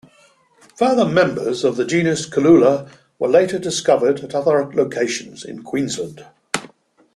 Further members of the genus "Cooloola" were later discovered at other locations in Queensland.